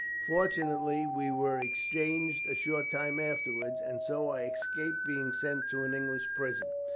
Fortunately we were exchanged a short time afterwards, and so I escaped being sent to an English prison.